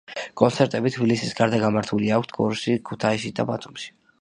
კონცერტები თბილისის გარდა გამართული აქვთ გორში, ქუთაისში და ბათუმში.